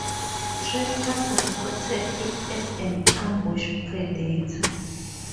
Trappers reported it as an ambush predator.